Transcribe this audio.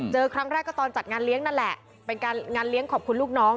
ครั้งแรกก็ตอนจัดงานเลี้ยงนั่นแหละเป็นการงานเลี้ยงขอบคุณลูกน้อง